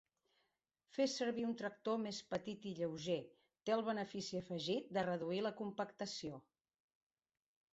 Fer servir un tractor més petit i lleuger té el benefici afegit de reduir la compactació.